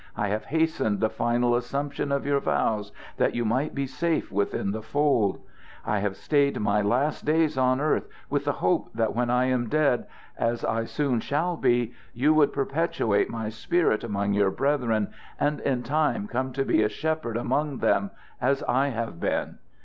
I have hastened the final assumption of your vows, that you might be safe within the fold. I have stayed my last days on earth with the hope that when I am dead, as I soon shall be, you would perpetuate my spirit among your brethren, and in time come to be a shepherd among them, as I have been.